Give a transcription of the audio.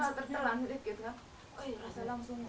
langsung beda beda rasanya dengan air palm